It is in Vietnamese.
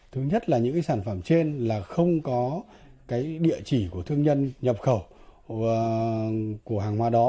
thứ nhất là những sản phẩm trên là không có địa chỉ của thương nhân nhập khẩu của hàng hóa đó